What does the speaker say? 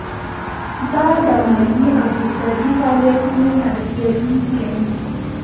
دا د مالي او حسابي فعالیتونو ارزیابي کوي.